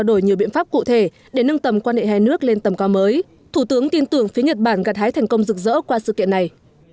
ông cũng tin tưởng phía nhật bản gạt hái thành công rực rỡ qua sự kiện này